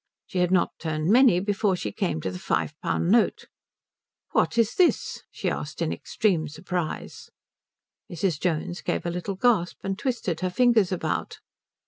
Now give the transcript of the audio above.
She had not turned many before she came to the five pound note. "What is this?" she asked, in extreme surprise. Mrs. Jones gave a little gasp, and twisted her fingers about.